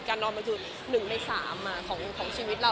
นอนมันคือ๑ใน๓ของชีวิตเรา